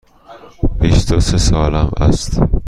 بیست و سه سالم است.